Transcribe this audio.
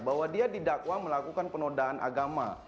bahwa dia didakwa melakukan penodaan agama